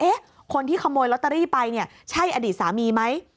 เอ๊ะคนที่ขโมยลอตเตอรี่ไปใช่อดีตสามีไหม